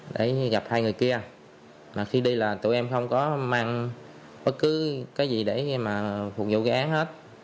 để gặp hai người kia mà khi đi là tụi em không có mang bất cứ cái gì để mà phục vụ gây án hết